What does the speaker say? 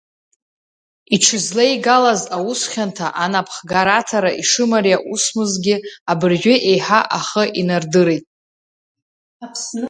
Иҽызлеигалаз аус хьанҭа анапхгараҭара ишымариа усмызгьы, абыржәы еиҳа ахы инардырит.